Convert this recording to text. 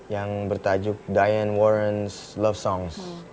yang bertajuk diane warren's love songs